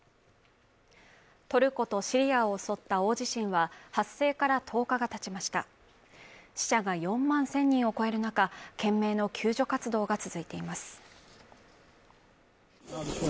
トルコとシリア襲った大地震は発生から１０日がたちました死者が４万１０００人を超える中懸命の救助活動が続いています